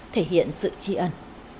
thể hiện sự chi ẩn